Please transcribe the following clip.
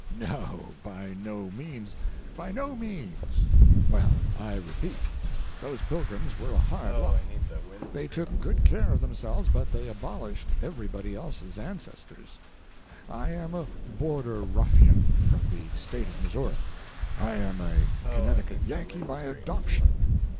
No, by no means—by no means. Well, I repeat, those Pilgrims were a hard lot. They took good care of themselves, but they abolished everybody else's ancestors. I am a border ruffian from the State of Missouri. I am a Connecticut Yankee by adoption.